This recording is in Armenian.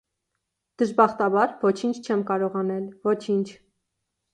դժբախտաբար, ոչինչ չեմ կարող անել, ոչինչ…